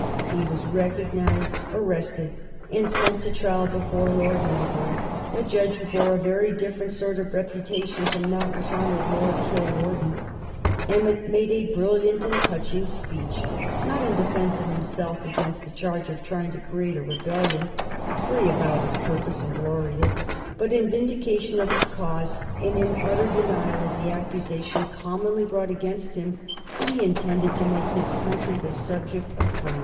He was recognized, arrested, and sent to trial before Lord Norbury, a judge who bore a very different sort of reputation from that which honored Lord Kilwarden. Emmet made a brilliant and touching speech, not in defence of himself against the charge of trying to create a rebellion, for he avowed his purpose and glorified it, but in vindication of his cause and in utter denial of the accusation commonly brought against him that he intended to make his country the subject of France.